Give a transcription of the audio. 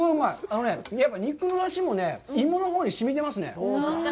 あのね、やっぱり肉の出汁も芋のほうにしみてますね。